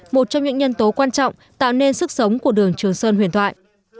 một trong những nhân tố quan trọng tạo nên sức sống của đường trường sơn huyền thoại